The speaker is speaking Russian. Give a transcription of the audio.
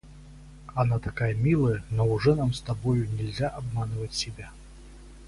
Она такая милая, но уже нам с тобою нельзя обманывать себя.